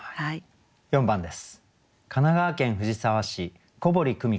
４番です。